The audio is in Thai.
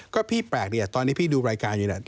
ก็พี่แปลกเนี่ยตอนนี้พี่ดูรายการอยู่เนี่ย